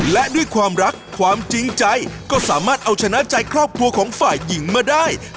และด้วยความรักความจริงใจก็สามารถเอาชนะใจครอบครัวของฝ่ายหญิงมาได้